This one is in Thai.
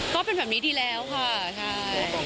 ก็เป็นแบบนี้ดีแล้วค่ะใช่